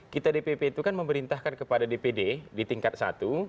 kita dpp itu kan memerintahkan kepada dpd di tingkat satu